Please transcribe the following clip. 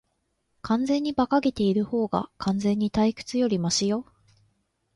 完全に馬鹿げているほうが、完全に退屈よりマシよ。